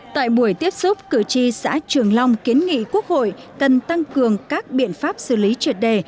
tại buổi tiếp xúc cử tri xã trường long kiến nghị quốc hội cần tăng cường các biện pháp xử lý triệt đề